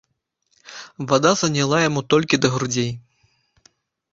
Вада заняла яму толькі да грудзей.